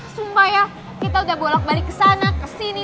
sumpah ya kita udah bolak balik kesana kesini